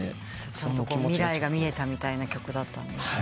未来が見えたみたいな曲だったんですね。